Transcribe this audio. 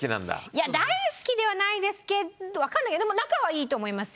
いや大好きではないですけどわかんないけど仲はいいと思いますよ。